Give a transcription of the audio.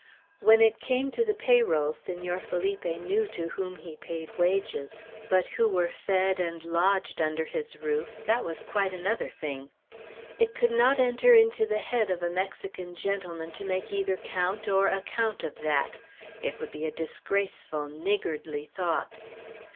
When it came to the pay roll, Senor Felipe knew to whom he paid wages; but who were fed and lodged under his roof, that was quite another thing. It could not enter into the head of a Mexican gentleman to make either count or account of that. It would be a disgraceful niggardly thought.